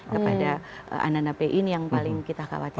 kepada anak anak pi ini yang paling kita khawatirkan